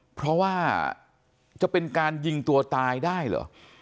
เพราะว่าจะเป็นการยิงตัวตายได้เหรอ